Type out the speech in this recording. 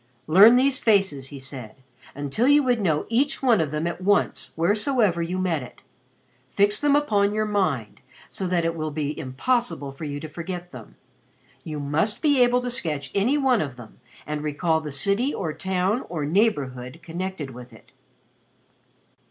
"Learn these faces," he said, "until you would know each one of them at once wheresoever you met it. Fix them upon your mind, so that it will be impossible for you to forget them. You must be able to sketch any one of them and recall the city or town or neighborhood connected with it."